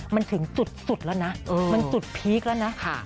มันถึงสุดแล้วนะมันสุดพีคแล้วนะ